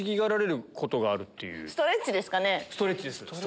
ストレッチです。